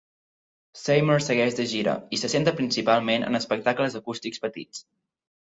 Seymour segueix de gira, i se centra principalment en espectacles acústics petits.